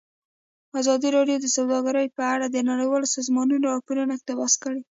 ازادي راډیو د سوداګري په اړه د نړیوالو سازمانونو راپورونه اقتباس کړي.